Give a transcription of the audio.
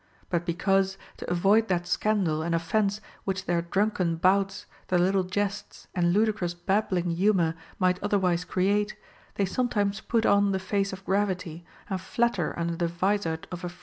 * But because, to avoid that scandal and offence which their drunken bouts, their little jests, and ludicrous bab ling humor might otherwise create, they sometimes put on the face of gravity, and flatter under the vizard of a frown, * II.